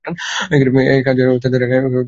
এ কাজ যে তাদের একা একা করতে হবে, তা ও নয়।